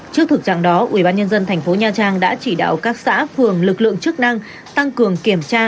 trước thực trạng đó ubnd tp nha trang đã chỉ đạo các xã phường lực lượng chức năng tăng cường kiểm tra